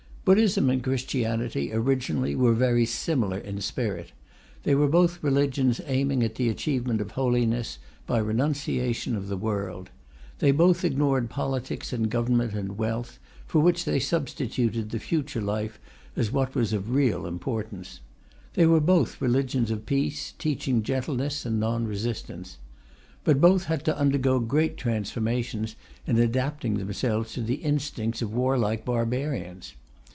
Buddhism and Christianity, originally, were very similar in spirit. They were both religions aiming at the achievement of holiness by renunciation of the world. They both ignored politics and government and wealth, for which they substituted the future life as what was of real importance. They were both religions of peace, teaching gentleness and non resistance. But both had to undergo great transformations in adapting themselves to the instincts of warlike barbarians.